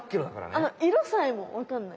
あの色さえもわかんない。